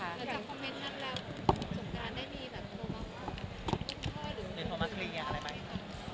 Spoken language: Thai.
อยากจะคอมเม้นท์นั้นแล้วจบการได้ดีแบบโทมัสคลีอย่างไรไหม